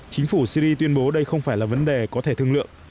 chính phủ syri tuyên bố đây không phải là vấn đề có thể thương lượng